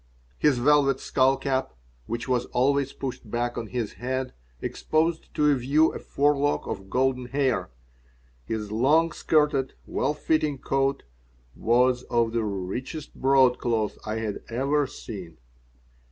His velvet skull cap, which was always pushed back on his head, exposed to view a forelock of golden hair. His long skirted, well fitting coat was of the richest broadcloth I had ever seen.